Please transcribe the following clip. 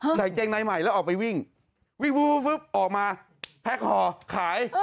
ใส่กางเกงนายใหม่แล้วออกไปวิ่งวิ่งออกมาแพ็คห่อขาย